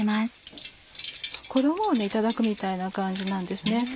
衣をいただくみたいな感じなんですね。